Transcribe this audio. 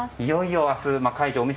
いよいよ明日解除。